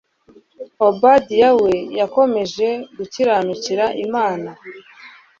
Obadiya we yakomeje gukiranukira Imana